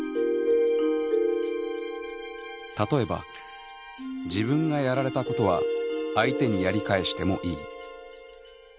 例えば「自分がやられたことは相手にやり返してもいい」。